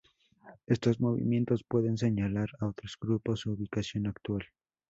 Estos movimientos pueden señalar a otros grupos su ubicación actual.